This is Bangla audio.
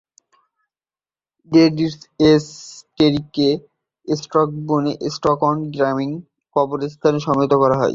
David S. টেরিকে স্টকটনের স্টকটন গ্রামীণ কবরস্থানে সমাহিত করা হয়।